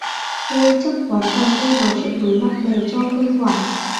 Thôi chắc quán cà phê nói chuyện với bạn bè cho khuây khoả